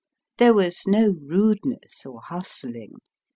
There was no rudeness or hustling.